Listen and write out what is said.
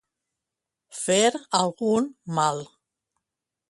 Fer algun mal.